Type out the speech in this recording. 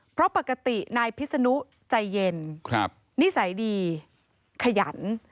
เพราะปกตินายพิษนุใจเย็นนิสัยดีขยัน